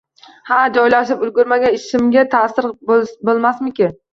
Hali joylashib ulgurmagan ishimga taʼsiri boʻlmasmikin?